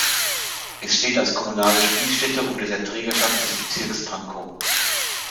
Es steht als kommunale Spielstätte unter der Trägerschaft des Bezirks Pankow.